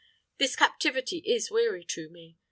This captivity is weary to me.